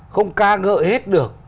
không ca ngợi hết được